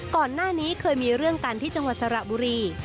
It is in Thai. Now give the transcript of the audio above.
ก่อนหน้านี้เคยมีเรื่องกันที่จังหวัดสระบุรี